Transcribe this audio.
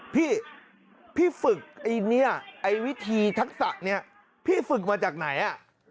พี่พี่ฝึกไอ้เนี่ยไอ้วิธีทักษะเนี่ยพี่ฝึกมาจากไหนอ่ะ